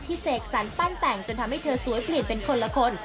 เสกสรรปั้นแต่งจนทำให้เธอสวยเปลี่ยนเป็นคนละคน